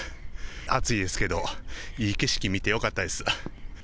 暑いですけど、いい景色見てよかったです。